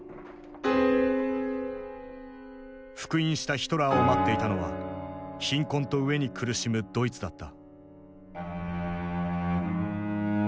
復員したヒトラーを待っていたのは貧困と飢えに苦しむドイツだった。